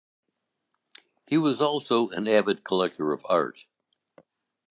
He also was an avid collector of art.